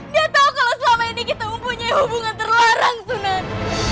dia tahu kalau selama ini kita mempunyai hubungan terlarang sunan